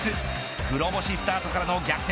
黒星スタートからの逆転